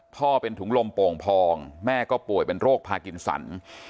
เป็นถุงลมโป่งพองแม่ก็ป่วยเป็นโรคพากินสัน